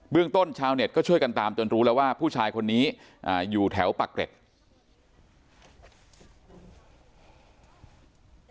ต้นชาวเน็ตก็ช่วยกันตามจนรู้แล้วว่าผู้ชายคนนี้อยู่แถวปากเกร็ด